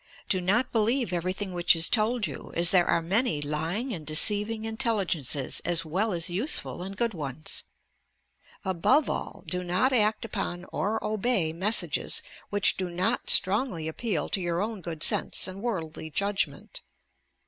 Do not believe everything which is told you, aa there are many lying and deceiving intelligences as well as useful and good ones. Above all, do not act upon or obey messages which do not strongly appeal to your own good sense and worldly judgment.